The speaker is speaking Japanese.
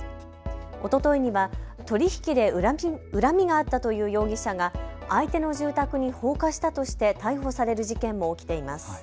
おとといには取り引きで恨みがあったという容疑者が相手の住宅に放火したとして逮捕される事件も起きています。